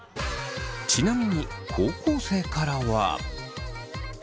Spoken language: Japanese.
ちなみに高校生からは。